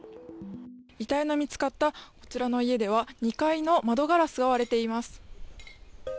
遺体の見つかったこちらの家では２階の窓ガラスが割れています。